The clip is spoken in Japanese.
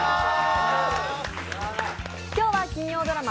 今日は金曜ドラマ